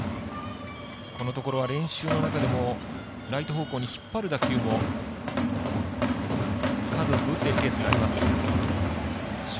このところは練習の中でもライト方向に引っ張る打球も数多く打っているケースがあります。